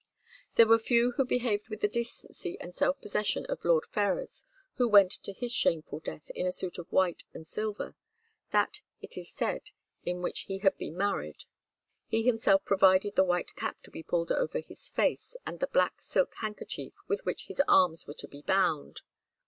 There were few who behaved with the decency and self possession of Lord Ferrers, who went to his shameful death in a suit of white and silver, that, it is said, in which he had been married. He himself provided the white cap to be pulled over his face, and the black silk handkerchief with which his arms were to be bound.